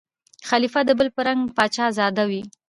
خلیفه د بل په رنګ پاچا زاده وي